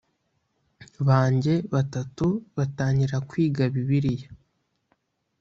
banjye batatu batangira kwiga bibiliya